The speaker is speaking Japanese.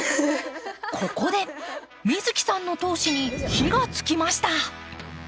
ここで美月さんの闘志に火がつきました。